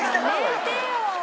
やめてよ！